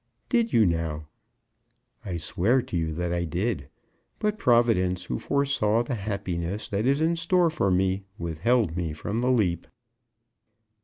"Did you now?" "I swear to you that I did. But Providence, who foresaw the happiness that is in store for me, withheld me from the leap."